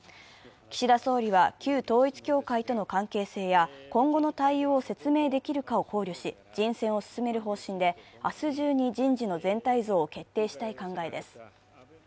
岸田総理は旧統一教会との関係性や今後の対応を説明できるかを考慮し人選を進める方針で、明日中に、人事の全体像を決定したい考えです。